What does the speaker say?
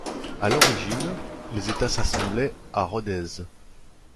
À l'origine, les États s'assemblaient à Rodez.